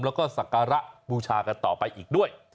ทางเข้ามาเที่ยวชมแล้วก็ศักรบูชากันต่อไปอีกด้วย